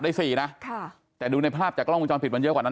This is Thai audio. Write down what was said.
ได้สี่นะค่ะแต่ดูในภาพจากกล้องวงจรปิดมันเยอะกว่านั้น